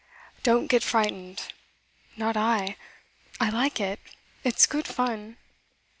'Don't get frightened!' 'Not I! I like it. It's good fun.